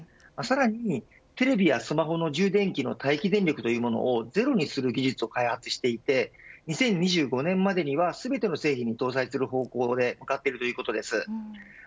さらにテレビやスマホの充電器の待機電力というものもゼロにする技術を開発していて２０２５年までには全ての製品に搭載する方向で向かっているということです。